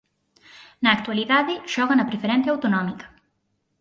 Na actualidade xoga na Preferente Autonómica.